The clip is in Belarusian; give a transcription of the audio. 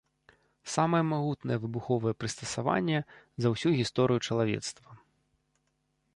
Самае магутнае выбуховае прыстасаванне за ўсю гісторыю чалавецтва.